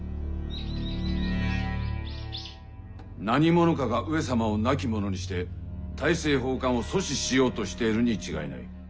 何者かが上様を亡き者にして大政奉還を阻止しようとしているに違いない。